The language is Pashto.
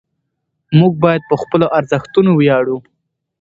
موږ باید په خپلو ارزښتونو ویاړو.